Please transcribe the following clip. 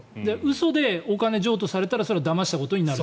嘘でお金を譲渡されたらそれはお金をだました取ったことになる。